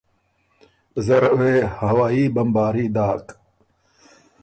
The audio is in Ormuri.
زره وې هوايي بمباري داک